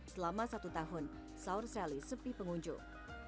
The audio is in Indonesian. selama satu tahun saurseli sepi pengunjung